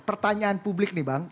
pertanyaan publik nih bang